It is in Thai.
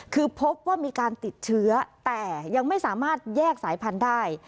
คือพบว่ามีการติดเชื้อแต่ยังไม่สามารถแยกสายพันธุ์ได้